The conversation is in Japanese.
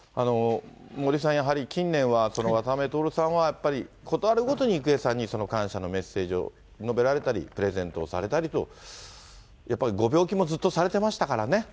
森さん、やはり、近年は渡辺徹さんは、やっぱり、事あるごとに郁恵さんに感謝のメッセージを述べられたり、プレゼントをされたりと、やっぱりご病気もずっとされてましたからね。